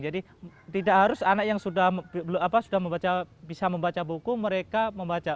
jadi tidak harus anak yang sudah bisa membaca buku mereka membaca